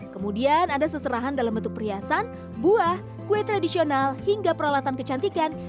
kemudian ada seserahan dalam bentuk perhiasan buah kue tradisional hingga peralatan kecantikan